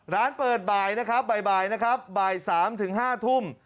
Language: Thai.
ร้านเปิดบ่ายนะครับบ่ายนะครับบ่าย๓ถึง๕ทุ่ม